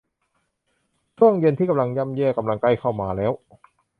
ช่วงเย็นที่ย่ำแย่กำลังใกล้เข้ามาแล้ว